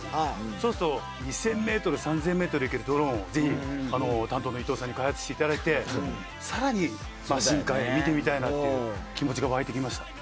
そうすると２０００ｍ３０００ｍ行けるドローンをぜひあの担当の伊藤さんに開発していただいてさらに深海を見てみたいなっていう気持ちが湧いてきました